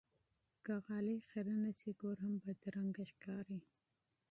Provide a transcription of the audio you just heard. که غالۍ چټله شي، کور هم بدرنګه ښکاري.